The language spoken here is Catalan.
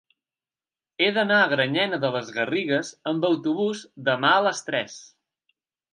He d'anar a Granyena de les Garrigues amb autobús demà a les tres.